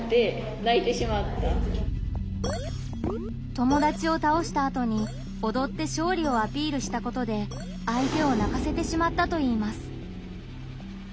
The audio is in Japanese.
友達を倒したあとにおどって勝利をアピールしたことで相手を泣かせてしまったといいます。